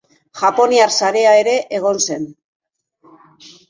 Japoniar sarea ere egon zen.